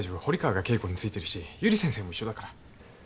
堀川が警護についてるしゆり先生も一緒だから。